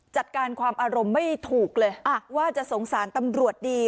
จัดการความอารมณ์ไม่ถูกเลยว่าจะสงสารตำรวจดี